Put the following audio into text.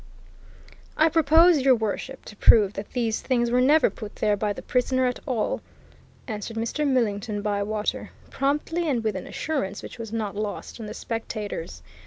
"I propose, Your Worship, to prove that these things were never put there by the prisoner at all!" answered Mr. Millington Bywater, promptly and with an assurance which was not lost on the spectators.